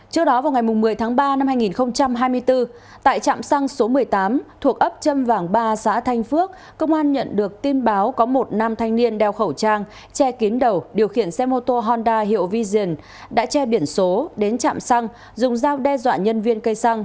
trước đó vào ngày một mươi tháng ba năm hai nghìn hai mươi bốn tại trạm xăng số một mươi tám thuộc ấp trâm vàng ba xã thanh phước công an nhận được tin báo có một nam thanh niên đeo khẩu trang che kín đầu điều khiển xe mô tô honda hiệu vision đã che biển số đến trạm xăng dùng dao đe dọa nhân viên cây xăng